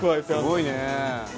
すごいね。